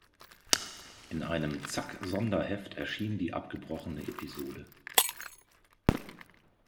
In einem Zack-Sonderheft erschien die abgebrochene Episode.